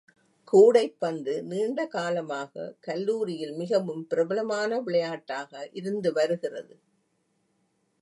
கூடைப்பந்து நீண்ட காலமாக கல்லூரியில் மிகவும் பிரபலமான விளையாட்டாக இருந்து வருகிறது.